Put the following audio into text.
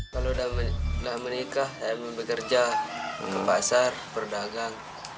kalau sudah menikah saya mau bekerja di pasar berdagang